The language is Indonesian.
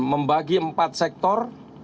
membagi empat sektor